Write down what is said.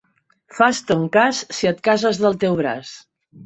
Fas ton cas si et cases del teu braç.